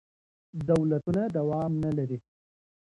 دولتونه دوام نه لري.